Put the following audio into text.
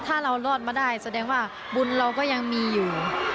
ถ้าเรารอดมาได้แสดงว่าบุญเราก็ยังมีอยู่